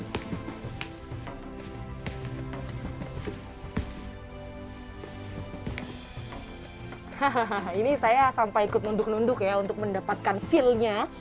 hahaha ini saya sampai ikut nunduk nunduk ya untuk mendapatkan feelnya